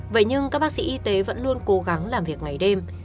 vậy nhưng các bác sĩ y tế vẫn luôn cố gắng làm việc ngày đêm